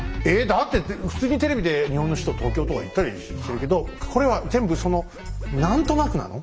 だって普通にテレビで「日本の首都は東京」とか言ったりするけどこれは全部その何となくなの？